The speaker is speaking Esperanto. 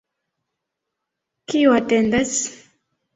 Kiu atendas?